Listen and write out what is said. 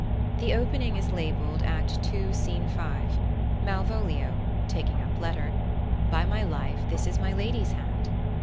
The opening is labelled Act ii., Scene 5, Malvolio (taking up letter), "By my life, this is my lady's hand."